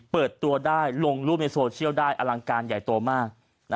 เปิดตัวได้ลงรูปในโซเชียลได้อลังการใหญ่โตมาก